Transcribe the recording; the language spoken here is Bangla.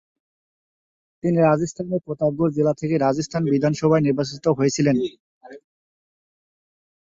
তিনি রাজস্থানের প্রতাপগড় জেলা থেকে রাজস্থান বিধানসভায় নির্বাচিত হয়েছিলেন।